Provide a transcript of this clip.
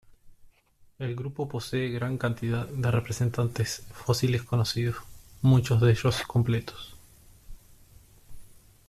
El grupo posee gran cantidad de representantes fósiles conocidos, muchos de ellos completos.